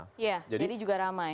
iya jadi juga ramai